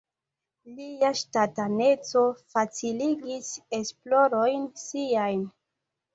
Lia ŝtataneco faciligis esplorojn siajn.